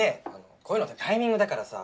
こういうのってタイミングだからさ。